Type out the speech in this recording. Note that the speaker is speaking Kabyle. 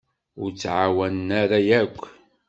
Ur t-ɛawnen ara yakk.